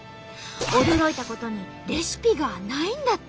驚いたことにレシピがないんだって。